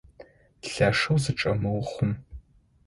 Лъэшэу зычӏэмыухъум!